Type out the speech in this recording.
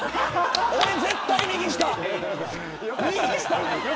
俺は絶対右下。